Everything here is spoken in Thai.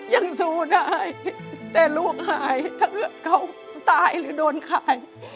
ยังสู้ได้แต่ลูกหายถ้าเกิดเขาตายหรือโดนขาย